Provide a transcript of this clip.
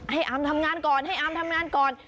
อาร์มทำงานก่อนให้อามทำงานก่อน